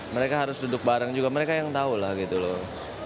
mereka harus duduk bareng juga mereka yang tahu lah gitu loh